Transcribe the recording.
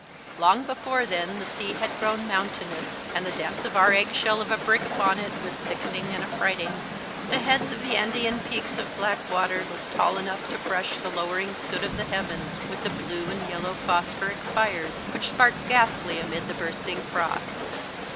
Long before then the sea had grown mountainous, and the dance of our eggshell of a brig upon it was sickening and affrighting. The heads of the Andean peaks of black water looked tall enough to brush the lowering soot of the heavens with the blue and yellow phosphoric fires which sparkled ghastly amid the bursting froth.